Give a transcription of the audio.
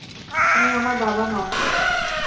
তুমি আমার বাবা নও।